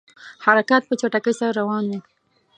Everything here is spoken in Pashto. حرکات په چټکۍ سره روان وه.